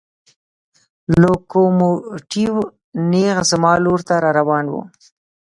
لوکوموتیو نېغ زما لور ته را روان و.